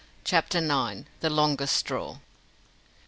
CHAPTER IX. THE LONGEST STRAW.